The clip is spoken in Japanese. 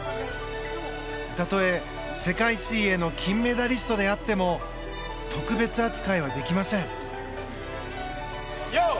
たとえ世界水泳の金メダリストであっても特別扱いはできません。